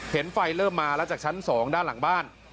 เห็นไฟเริ่มมาแล้วจากชั้น๒ด้านหลังบ้าน